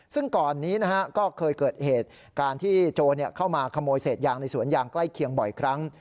ซึ่งก่อนนี้ก็เคยเกิดเหตุการณ์ที่โจรเข้ามาขโมยเศษยางในสวนยางใกล้เคียงบ่อยครั้ง